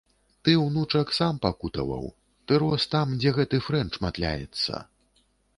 Ты, унучак, сам пакутаваў, ты рос там, дзе гэты фрэнч матляецца.